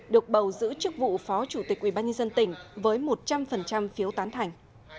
được bầu giữ chức vụ phó chủ tịch ubnd tỉnh với một trăm linh phiếu tán thành